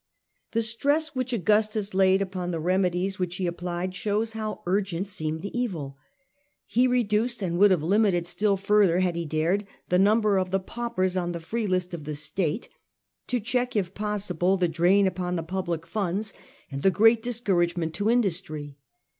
The stress which Augustus laid upon the remedies which he applied shows how urgent seemed the evil. He reduced, and would have limited still further Attempts of had he dared, the number of the paupers on ^"et^the^ the free list of the state, to check if possible cviL the drain upon the public funds and the great dis couragement to industry.